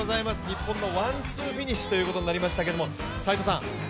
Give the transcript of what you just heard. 日本のワン・ツーフィニッシュということになりましたけれども。